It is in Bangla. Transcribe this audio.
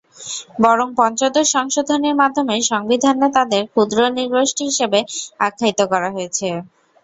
বরং পঞ্চদশ সংশোধনীর মাধ্যমে সংবিধানে তাঁদের ক্ষুদ্র নৃগোষ্ঠী হিসেবে আখ্যায়িত করা হয়েছে।